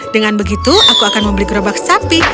dengan begitu aku akan membeli gerobak sapi